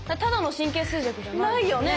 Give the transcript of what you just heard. ないよね。